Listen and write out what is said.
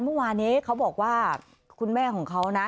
เมื่อวานนี้เขาบอกว่าคุณแม่ของเขานะ